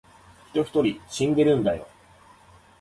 人一人死んでるんだよ